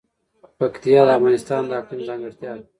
پکتیا د افغانستان د اقلیم ځانګړتیا ده.